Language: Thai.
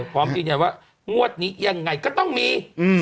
พร้อมที่อย่างว่างวดนี้ยังไงก็ต้องมี๐